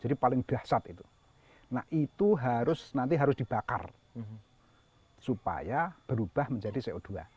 itu nanti harus dibakar supaya berubah menjadi co dua